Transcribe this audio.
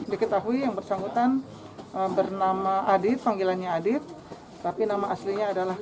diketahui yang bersangkutan bernama adit panggilannya adit tapi nama aslinya adalah